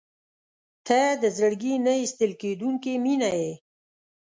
• ته د زړګي نه ایستل کېدونکې مینه یې.